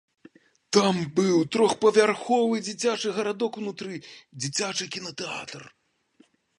Там быў трохпавярховы дзіцячы гарадок унутры, дзіцячы кінатэатр.